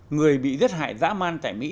người bị giết hại dã man tại mỹ